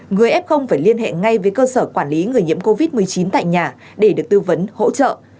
người f phải liên hệ ngay với cơ sở quản lý người nhiễm covid một mươi chín tại nhà để được tư vấn hỗ trợ